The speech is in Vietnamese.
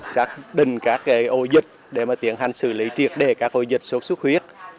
xác định các ổ dịch để tiện hành xử lý triệt đề các ổ dịch xuất xuất huyết